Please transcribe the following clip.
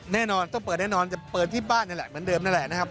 แน่นอนต้องเปิดแน่นอนจะเปิดที่บ้านแบบเดิมนั่นแหละนะครับ